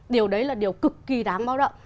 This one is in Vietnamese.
điều đấy là điều cực kỳ đáng bao động